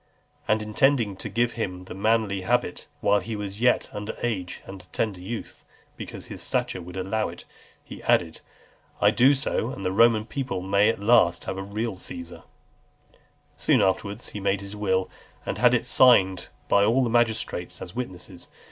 And intending to give him the manly habit, while he was yet under age and a tender youth, because his stature would allow of it, he added, "I do so, that the Roman people may at last have a real Caesar." XLIV. Soon afterwards he made his will, and had it signed by all the magistrates as witnesses.